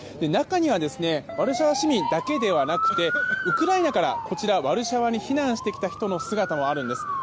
中にはワルシャワ市民だけではなくてウクライナからワルシャワに避難してきた人の姿もあるんです。